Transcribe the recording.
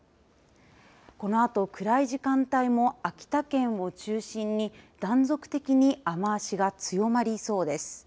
このあと、暗い時間帯も秋田県を中心に断続的に雨足が強まりそうです。